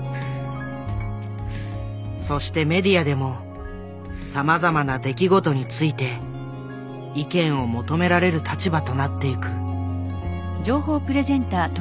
そしてメディアでもさまざまな出来事について意見を求められる立場となっていく。